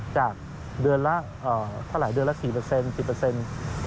จากเดือนละเท่าไหร่เดือนละ๔๑๐